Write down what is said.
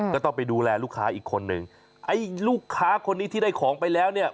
ก็ต้องไปดูแลลูกค้าอีกคนนึงไอ้ลูกค้าคนนี้ที่ได้ของไปแล้วเนี่ย